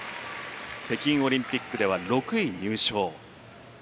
北京オリンピックでは６位入賞。